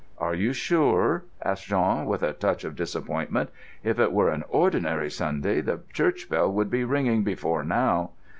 "Are you sure?" asked Jean, with a touch of disappointment. "If it were an ordinary Sunday the church bell would be ringing before now."